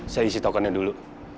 saya isi tokennya dulu